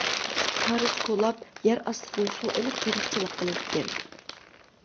كارىز كولاپ يەر ئاستىدىن سۇ ئېلىپ تېرىقچىلىق قىلىدىكەن.